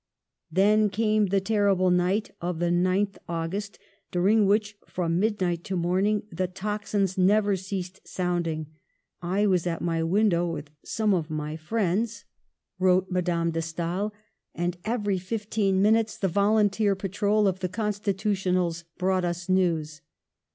Then came the terrible night of the 9th Au gust, during which, from midnight to morning, the tocsins never ceased sounding. " I was at my window with some of my friends" (wrote Digitized by VjOOQLC IS COURAGEOUS FOR HER FRIENDS. 6l Madame de Stael), " and every fifteen minutes the volunteer 'patrol of the Constitutionels brought us news.